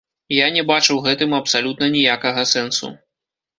Я не бачу ў гэтым абсалютна ніякага сэнсу.